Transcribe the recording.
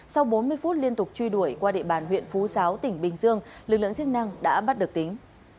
sau bốn mươi phút liên tục truy đuổi qua địa bàn huyện phú giáo tỉnh bình dương lực lượng chức năng đã bắt được tính